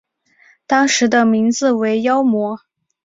当时的名字为妖魔。